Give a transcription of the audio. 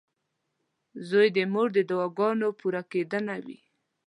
• زوی د مور د دعاګانو پوره کېدنه وي.